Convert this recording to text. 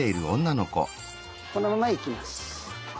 このままいきます。